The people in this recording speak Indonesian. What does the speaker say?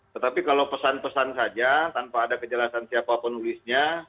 tetapi kalau pesan pesan saja tanpa ada kejelasan siapa penulisnya